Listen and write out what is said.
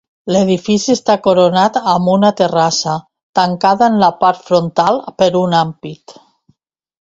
L'edifici està coronat amb una terrassa, tancada en la part frontal per un ampit.